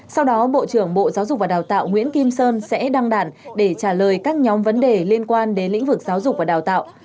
sau đó bộ trưởng bộ giáo dục và đào tạo nguyễn kim sơn sẽ đăng đàn để trả lời các nhóm vấn đề liên quan đến lĩnh vực giáo dục và đào tạo